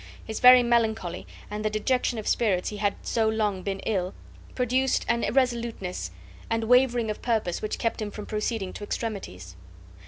His very melancholy, and the dejection of spirits he had so long been ill, produced an irresoluteness and wavering of purpose which kept him from proceeding to extremities.